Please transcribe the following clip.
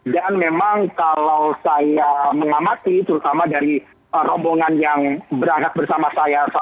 dan memang kalau saya mengamati terutama dari rombongan yang berangkat bersama saya